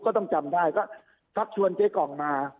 ก็ต้องจำได้ก็ฆักชวนเจ๊กรองมา